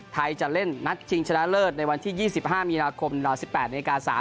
ไทยจะเล่นนัดชิงชนะเลิศในวันที่๒๕มีนาคม๑๘น๓๕น